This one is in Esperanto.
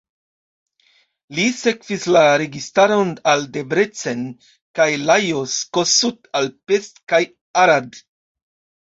Li sekvis la registaron al Debrecen kaj Lajos Kossuth al Pest kaj Arad.